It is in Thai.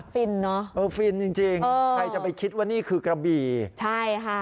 ฟินเนอะเออฟินจริงจริงใครจะไปคิดว่านี่คือกระบี่ใช่ค่ะ